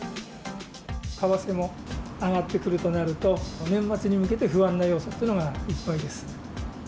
為替も上がってくるとなると、年末に向けて不安な要素っていうのがいっぱいです。